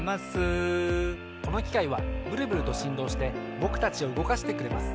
このきかいはブルブルとしんどうしてぼくたちをうごかしてくれます。